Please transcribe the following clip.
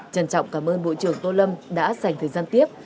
trân trọng cảm ơn bộ trưởng tô lâm đã dành thời gian tiếp